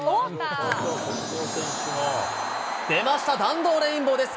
出ました、弾道レインボーです。